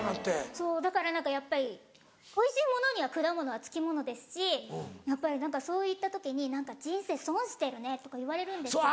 そうだから何かやっぱりおいしいものには果物はつきものですしやっぱり何かそういった時に「人生損してるね」とか言われるんですけど。